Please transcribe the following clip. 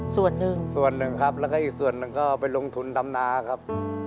ส่วนหนึ่งส่วนหนึ่งครับแล้วก็อีกส่วนหนึ่งก็ไปลงทุนดำนาครับ